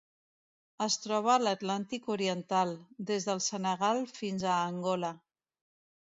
Es troba a l'Atlàntic oriental: des del Senegal fins a Angola.